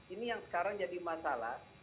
ini yang sekarang jadi masalah